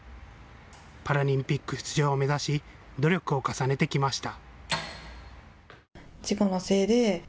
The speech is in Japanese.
パラリンピック出場を目指し努力を重ねてきました。